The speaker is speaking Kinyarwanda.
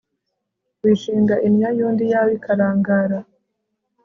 wishinga innyo y'undi iyawe ikarangara